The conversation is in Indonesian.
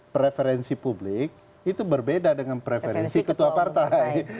preferensi publik itu berbeda dengan preferensi ketua partai